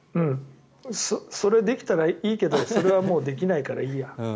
それができたらいいけどそれはもうできないからいいや。